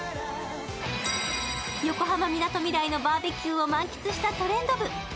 横浜みなとみらいのバーベキューを満喫したトレンド部。